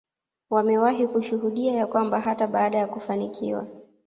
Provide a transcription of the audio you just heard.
wamewahi kushuhudia ya kwamba hata baada ya kufanikiwa